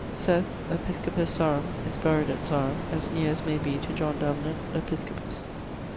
_> Seth, episcopus Sarum, is buried at Sarum as neer as may be to John Davenant, episcopus.